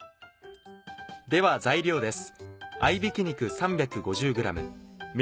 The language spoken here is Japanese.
では材料です。